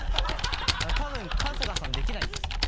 多分春日さんできないですよ。